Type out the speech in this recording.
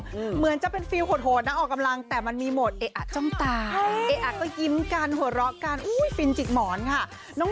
ก่อนหน้านี้คุณเห็นป๊างซิที่เขาไปอกกำลังกายกันมา